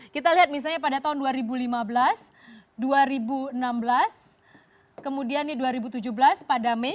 kita lihat misalnya pada tahun dua ribu lima belas dua ribu enam belas kemudian di dua ribu tujuh belas pada mei